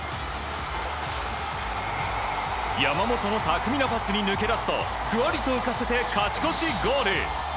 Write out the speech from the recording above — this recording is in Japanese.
山本の巧みなパスに抜け出すとふわりと浮かせて勝ち越しゴール。